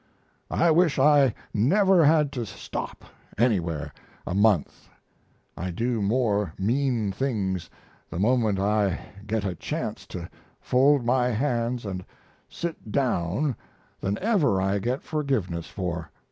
I wish I never had to stop anywhere a month. I do more mean things the moment I get a chance to fold my hands and sit down than ever I get forgiveness for.